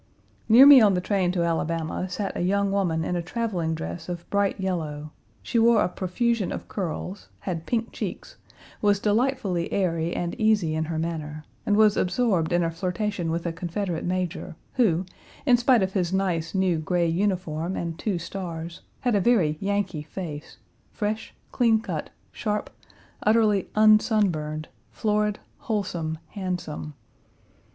Near me on the train to Alabama sat a young woman in a traveling dress of bright yellow; she wore a profusion Page 219 of curls, had pink cheeks, was delightfully airy and easy in her manner, and was absorbed in a flirtation with a Confederate major, who, in spite of his nice, new gray uniform and two stars, had a very Yankee face, fresh, clean cut, sharp, utterly unsunburned, florid, wholesome, handsome.